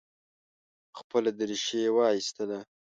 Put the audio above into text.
خپله درېشي یې وایستله.